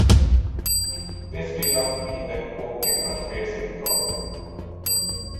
This did not mean that Kok did not face any problem.